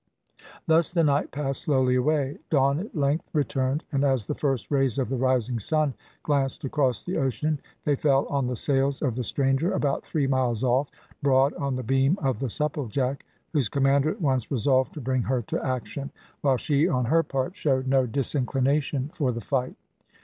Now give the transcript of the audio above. Thus the night passed slowly away. Dawn at length returned and as the first rays of the rising sun glanced across the ocean they fell on the sails of the stranger, about three miles off, broad on the beam of the Supplejack, whose commander at once resolved to bring her to action, while she on her part showed no disinclination for the fight.